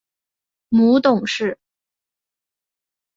母董氏。